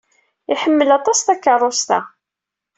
Iḥemmel aṭas takeṛṛust-a.